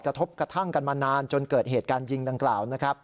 กระทบกระทั่งกันมานานจนเกิดเหตุการณ์ยิงดังกล่าวนะครับ